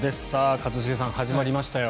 一茂さん、始まりましたよ。